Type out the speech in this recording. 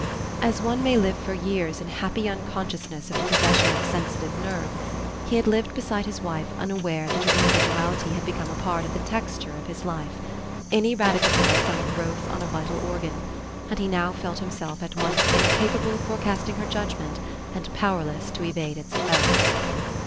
As one may live for years in happy unconsciousness of the possession of a sensitive nerve, he had lived beside his wife unaware that her individuality had become a part of the texture of his life, ineradicable as some growth on a vital organ; and he now felt himself at once incapable of forecasting her judgment and powerless to evade its effects.